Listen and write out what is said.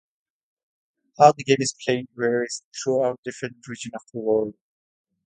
How the game is played varies throughout different regions of the world.